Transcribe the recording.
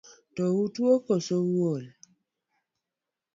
To otuo kose ool?